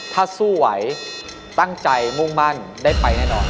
ถ้าสู้ไหวตั้งใจมุ่งมั่นได้ไปแน่นอน